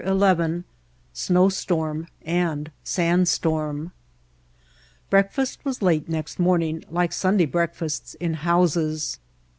XI Snowstorm and Sandstorm BREAKFAST was late next morning like Sunday breakfasts in houses.